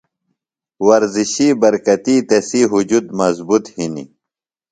ورزشی برکتی تسی ہُجُت مضبوط ہِنیۡ۔